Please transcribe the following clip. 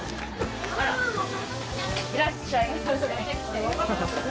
いらっしゃいませ。